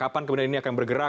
kapan kemudian ini akan bergerak